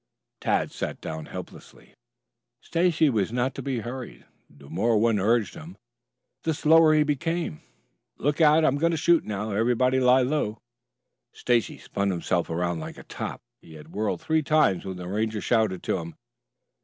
Tad sat down helplessly. Stacy was not to be hurried. The more one urged him, the slower did he become. "Look out, I'm going to shoot now. Everybody lie low!" Stacy spun himself around like a top. He had whirled three times when the Ranger shouted to him.